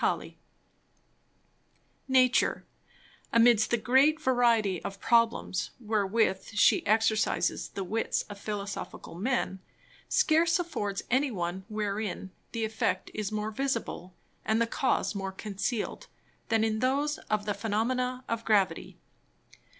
Halley_._ Nature, amidst the great Variety of Problems, wherewith She exercises the Wits of Philosophical Men, scarce affords any one wherein the Effect is more visible, and the Cause more concealed, than in those of the Phænomena of Gravity.